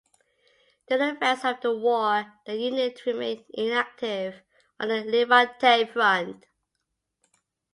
During the rest of the war the unit remained inactive on the Levante front.